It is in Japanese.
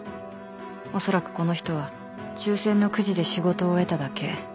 おそらくこの人は抽選のくじで仕事を得ただけ